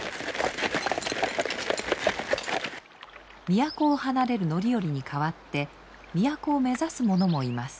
都を離れる範頼に代わって都を目指す者もいます。